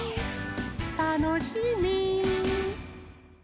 たのしみ。